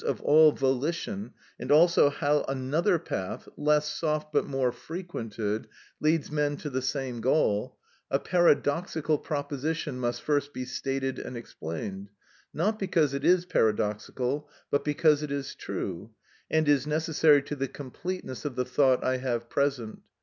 _, of all volition, and also how another path, less soft but more frequented, leads men to the same goal, a paradoxical proposition must first be stated and explained; not because it is paradoxical, but because it is true, and is necessary to the completeness of the thought I have present.